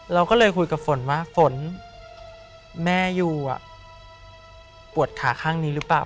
เราก็เลยคุยกับฝนว่าฝนแม่อยู่ปวดขาข้างนี้หรือเปล่า